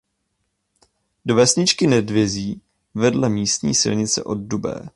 Do vesničky Nedvězí vede místní silnice od Dubé.